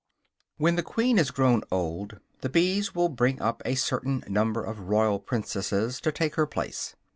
When the queen has grown old, the bees will bring up a certain number of royal princesses to take her place.